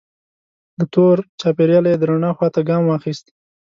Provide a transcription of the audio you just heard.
له تور چاپیریاله یې د رڼا خوا ته ګام واخیست.